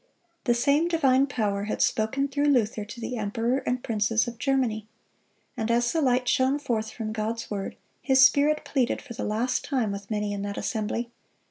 (228) The same divine power had spoken through Luther to the emperor and princes of Germany. And as the light shone forth from God's word, his Spirit pleaded for the last time with many in that assembly.